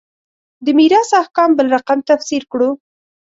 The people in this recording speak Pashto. د میراث احکام بل رقم تفسیر کړو.